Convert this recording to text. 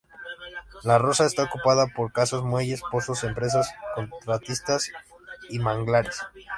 La Rosa está ocupada por casas, muelles, pozos, empresas contratistas y manglares.